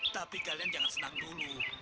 tapi kalian jangan senang dulu